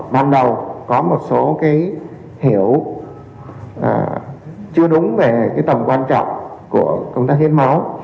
ban đầu có một số hiểu chưa đúng về cái tầm quan trọng của công tác hiến máu